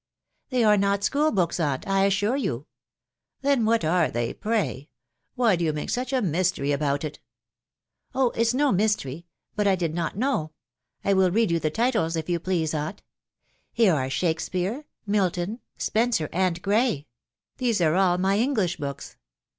" They are not school books, aunt, I assure you/ " Then what are they, pray ? Why do you make such a mystery about it ?"" Oh ! it's no mystery ;.•.. but I did not know. ... I will read you the titles, if you please, aunt. Here are Shak* speare, Milton, Spenser, and Gray ;..•. these are all my English books."